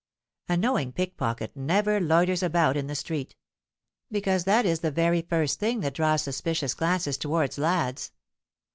A knowing pickpocket never loiters about in the street; because that is the very first thing that draws suspicions glances towards lads.